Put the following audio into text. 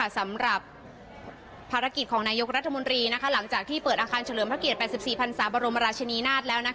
สำหรับภารกิจของนายกรัฐมนตรีหลังจากที่เปิดอาคารเฉลิมพระเกียรติ๘๔พันศาบรมราชนีนาฏแล้ว